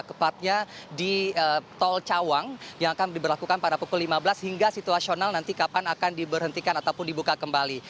tepatnya di tol cawang yang akan diberlakukan pada pukul lima belas hingga situasional nanti kapan akan diberhentikan ataupun dibuka kembali